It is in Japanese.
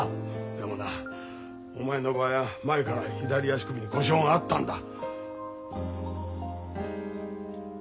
でもなお前の場合は前から左足首に故障があったんだ。